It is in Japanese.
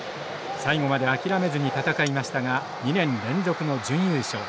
最後まで諦めずに戦いましたが２年連続の準優勝。